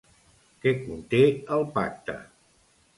Què conté el pacte?